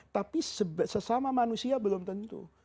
tapi sesama manusia belum tentu